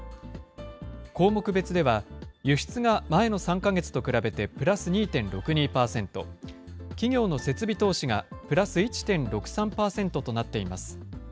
項目別では、輸出が前の３か月と比べてプラス２．６２％、企業の設備投資がプラス１．６３％となっています。